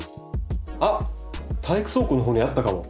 あっ体育倉庫のほうにあったかも。